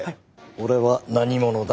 俺は何者だ？